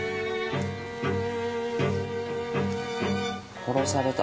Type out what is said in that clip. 殺された？